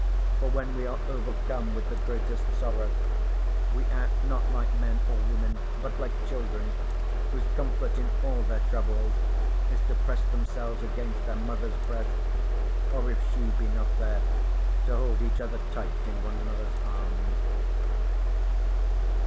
For when we are overcome with the greatest sorrow we act not like men or women but like children whose comfort in all their troubles is to press themselves against their mother's breast, or if she be not there to hold each other tight in one another's arms.